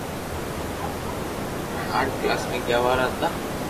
ھمي آٺ ڪلاس مي گيا وارا ھتا